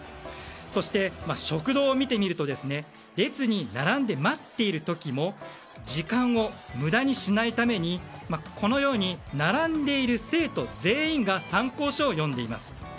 そして、食堂を見てみると列に並んで待っている時も時間を無駄にしないためにこのように並んでいる生徒全員が参考書を読んでいます。